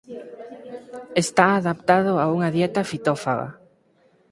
Está adaptado a unha dieta fitófaga.